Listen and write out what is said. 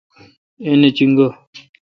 ایں نہ چینگہ۔۔